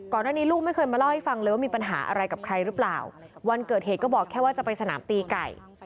ลูกนี้ลูกไม่เคยมาเล่าให้ฟังเลยว่ามีปัญหาอะไรกับใครหรือเปล่าวันเกิดเหตุก็บอกแค่ว่าจะไปสนามตีไก่